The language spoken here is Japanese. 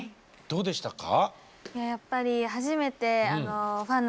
どうでしたか？